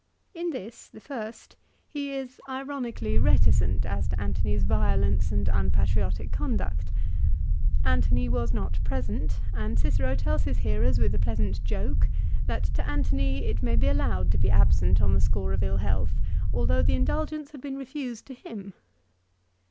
In this, the first, he is ironically reticent as to Antony's violence and unpatriotic conduct. Antony was not present, and Cicero tells his hearers with a pleasant joke that to Antony it may be allowed to be absent on the score of ill health, though the indulgence had been refused to him.